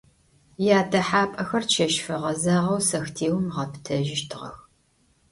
Ядэхьапӏэхэр чэщ фэгъэзагъэу сэхтеом ыгъэпытэжьыщтыгъэх.